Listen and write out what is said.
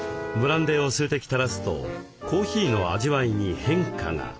ブランデーを数滴たらすとコーヒーの味わいに変化が。